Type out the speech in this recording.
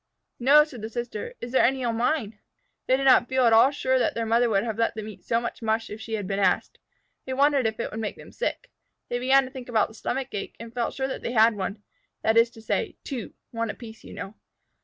"No," said the sister. "Is there any on mine?" They did not feel at all sure that their mother would have let them eat so much mush if she had been asked. They wondered if it would make them sick. They began to think about the stomach ache, and felt sure that they had one that is to say, two one apiece, you know.